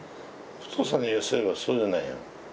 お父さんに言わせればそうじゃないよ。